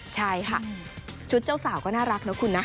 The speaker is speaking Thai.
ใช่ค่ะชุดเจ้าสาวก็น่ารักนะคุณนะ